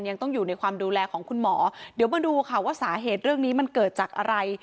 ยังต้องอยู่ในความดูแลของคุณหมอเดี๋ยวมาดูค่ะว่าสาเหตุเรื่องนี้มันเกิดจากอะไร